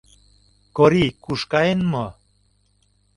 Корий куш каен мо?